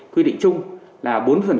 quy định chung là bốn